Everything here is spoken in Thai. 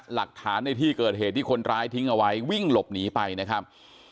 หลักฐานในที่เกิดเหตุที่คนร้ายทิ้งเอาไว้วิ่งหลบหนีไปนะครับ